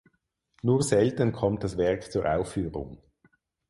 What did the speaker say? Nur selten kommt das Werk zur Aufführung.